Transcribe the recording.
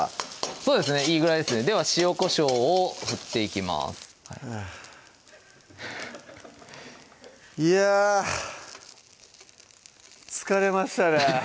そうですねいいぐらいですねでは塩・こしょうを振っていきますハァいや疲れましたね